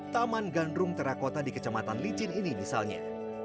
taman gandrung terakota di kecamatan licin ini misalnya